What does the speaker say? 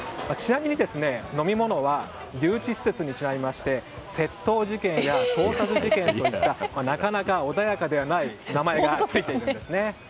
ちなみに、飲み物は留置施設にちなみまして窃盗事件や盗撮事件といったなかなか穏やかではない名前がついているんですね。